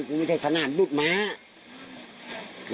ให้เธอกับหมาเหรอ